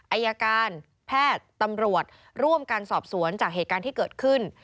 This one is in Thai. อายการแพทย์ตำรวจร่วมการสอบสวนจากเหตุการณ์ที่เกิดขึ้น